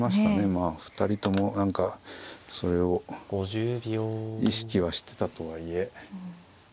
まあ２人とも何かそれを意識はしてたとはいえ。